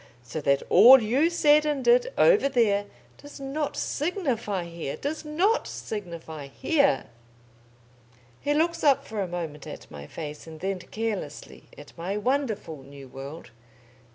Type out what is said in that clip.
So that all you said and did, over there, does not signify here does not signify here!" He looks up for a moment at my face, and then carelessly at my wonderful new world.